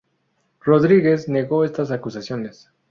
Rodríguez negó estas acusaciones.